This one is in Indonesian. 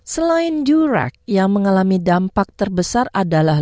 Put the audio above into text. selain durac yang mengalami dampak terbesar adalah